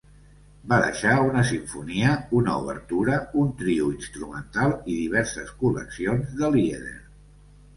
Va deixar una simfonia, una obertura, un trio instrumental i diverses col·leccions de lieder.